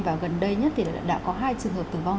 và gần đây nhất thì đã có hai trường hợp tử vong